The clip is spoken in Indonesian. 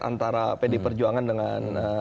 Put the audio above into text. antara pdi perjuangan dengan